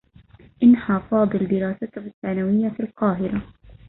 أنهى فاضل دراسته الثّانويّة في القاهرة.